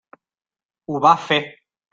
Ho va fer.